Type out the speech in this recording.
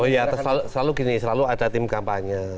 oh ya selalu gini selalu ada tim kampanye